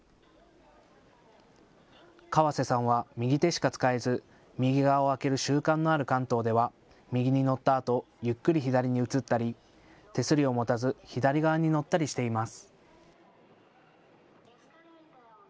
川瀬さんは右手しか使えず右側を空ける習慣のある関東では右に乗ったあとゆっくり左に移ったり、手すりを持たず左側に乗ったりしています。